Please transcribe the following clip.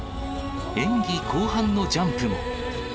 演技後半のジャンプも。